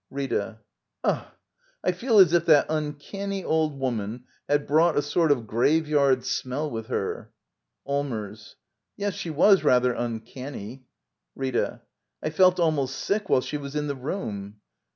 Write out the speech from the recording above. ] RrrA. Ughl I feel as if that uncanny old woman had brought a sort of graveyard smell with her. Allmers. Yes, she was rather uncanny. Rita. I felt almost sick while she was in the room.